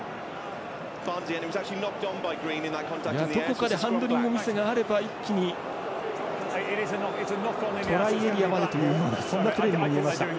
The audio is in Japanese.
どこかでハンドリングミスがあれば一気にトライエリアまでというようなそんなプレーに見えました。